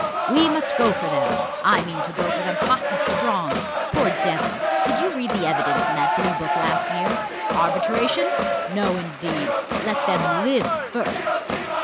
We must go for them! I mean to go for them hot and strong. Poor devils! did you read the evidence in that Bluebook last year? Arbitration? no, indeed! let them live first!"